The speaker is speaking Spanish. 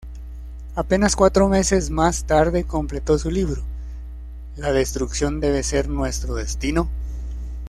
Apenas cuatro meses más tarde, completó su libro "¿la destrucción debe ser nuestro destino?